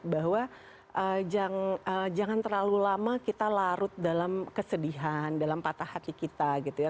bahwa jangan terlalu lama kita larut dalam kesedihan dalam patah hati kita gitu ya